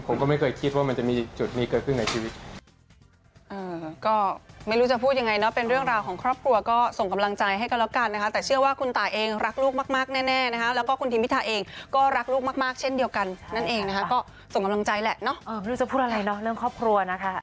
ผมก็ไม่เคยคิดว่ามันจะมีจุดนี้เกิดขึ้นในชีวิต